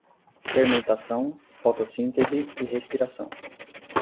Fermentação, fotossíntese e respiração